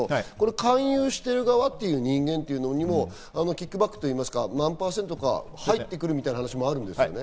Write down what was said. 勧誘している側という人間にもキックバックというか、何％か入ってくるみたいな話もあるんですね。